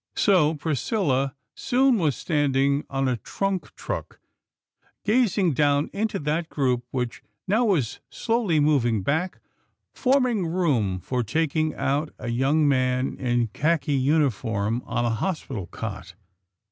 So Priscilla soon was standing on a trunk truck, gazing down into that group which now was slowly moving back, forming room for taking out a young man in khaki uniform, on a hospital cot.